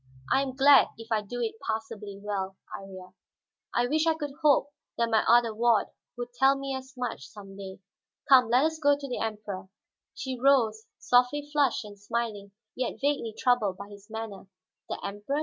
I am glad if I do it passably well, Iría. I wish I could hope that my other ward would tell me as much, some day. Come, let us go to the Emperor." She rose, softly flushed and smiling, yet vaguely troubled by his manner. "The Emperor?"